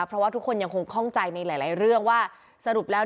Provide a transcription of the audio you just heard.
เพราะว่าทุกคนยังคงข้องใจในหลายเรื่องว่าสรุปแล้ว